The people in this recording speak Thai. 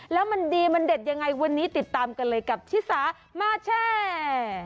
แล้วมันดีมันเด็ดยังไงวันนี้ติดตามกันเลยกับชิสามาแชร์